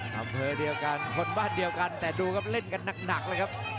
อำเภอเดียวกันคนบ้านเดียวกันแต่ดูครับเล่นกันหนักเลยครับ